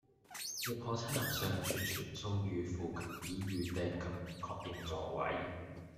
亦可親臨尚廚全數預付以預訂及確認座位